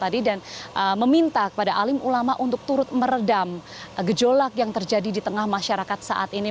dan meminta kepada alim ulama untuk turut meredam gejolak yang terjadi di tengah masyarakat saat ini